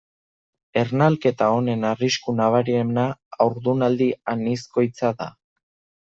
Ernalketa honen arrisku nabariena haurdunaldi anizkoitza da.